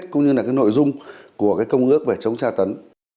công ước về chống tra tấn